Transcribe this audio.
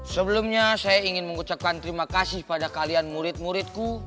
sebelumnya saya ingin mengucapkan terima kasih pada kalian murid muridku